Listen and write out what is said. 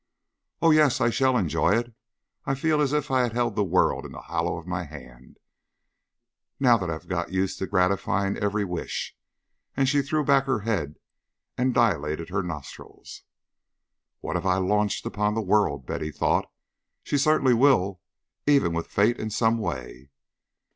"Oh, yes, I shall enjoy it. I feel as if I held the world in the hollow of my hand, now that I have got used to gratifying every wish;" and she threw back her head and dilated her nostril. "What have I launched upon the world?" thought Betty. "She certainly will even with Fate in some way."